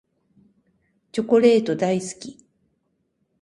チョコレート大好き。